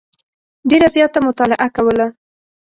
ډېره زیاته مطالعه کوله.